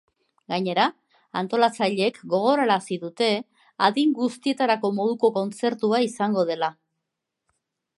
Gainera, antolatzaileek gogorarazi dute adin guztietarako moduko kontzertua izango dela.